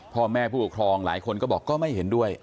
พ่อแม่ผู้ปกครองหลายคนก็บอกก็ไม่เห็นด้วย